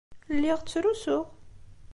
Lliɣ ttrusuɣ.